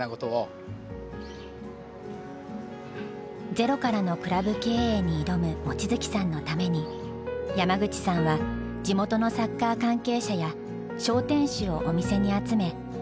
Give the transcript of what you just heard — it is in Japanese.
ゼロからのクラブ経営に挑む望月さんのために山口さんは地元のサッカー関係者や商店主をお店に集め引き合わせた。